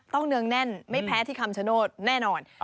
เนืองแน่นไม่แพ้ที่คำชโนธแน่นอน